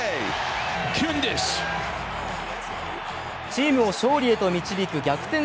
チームを勝利へと導く逆転